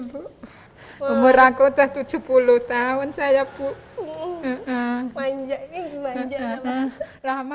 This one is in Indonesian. bu umur aku teh tujuh puluh tahun saya bu manja manja lama lama